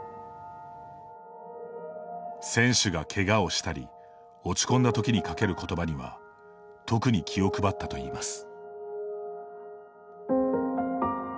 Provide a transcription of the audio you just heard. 選手が、けがをしたり落ち込んだときにかけることばには特に気を配ったといいます。